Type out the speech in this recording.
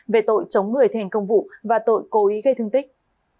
về tội chống người thiền công vụ và tội cố ý gây thương tích